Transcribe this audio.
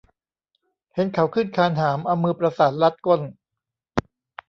เห็นเขาขึ้นคานหาม เอามือประสานรัดก้น